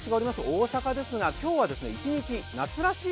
大阪ですが、今日は一日夏らしい